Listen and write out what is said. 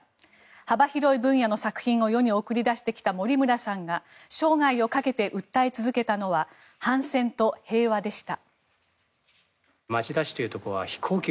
幅広い分野の作品を世に送り出してきた森村さんが生涯をかけて訴え続けたのは反戦と平和でした。